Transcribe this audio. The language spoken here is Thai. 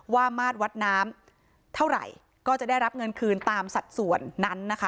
มาตรวัดน้ำเท่าไหร่ก็จะได้รับเงินคืนตามสัดส่วนนั้นนะคะ